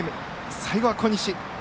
最後は小西。